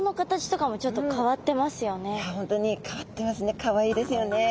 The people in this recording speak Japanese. かわいいですよね。